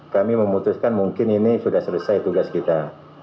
kami memutuskan mungkin ini sudah selesai tugas kita